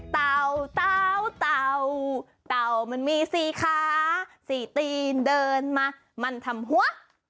เต่าเต่าเต่าเต่ามันมีสี่ขาสี่ตีนเดินมามันทำหัว